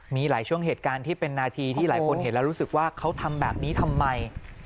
มีหลายช่วงเหตุการณ์ที่เป็นนาทีที่หลายคนเห็นแล้วรู้สึกว่าเขาทำแบบนี้ทำไม